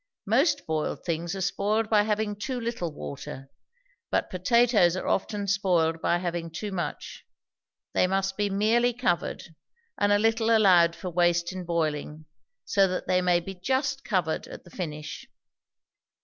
Most boiled things are spoiled by having too little water; but potatoes are often spoiled by having too much; they must be merely covered, and a little allowed for waste in boiling, so that they may be just covered at the finish.